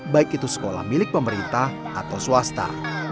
baik itu sekolah milik pemerintah atau swasta